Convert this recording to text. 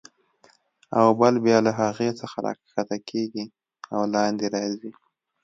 او بل بیا له هغې څخه راکښته کېږي او لاندې راځي.